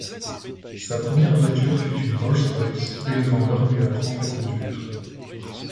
Sa première voiture fut une Rolls-Royce et le vendeur lui apprend à conduire.